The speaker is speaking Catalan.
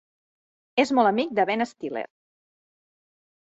És molt amic de Ben Stiller.